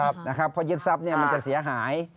เพราะยึดทรัพย์มันจะเสียหาย